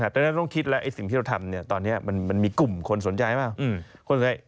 ตอนนั้นต้องคิดแล้วสิ่งที่เราทำตอนนี้มันมีกลุ่มคนสนใจเปล่า